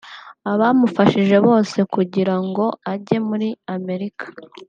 abamufashije bose kugira ngo ajye muri Amerika